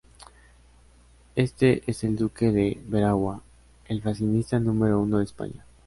Este es el Duque de Veragua, el fascista número uno de España.